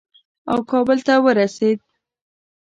او کابل ته ورسېد.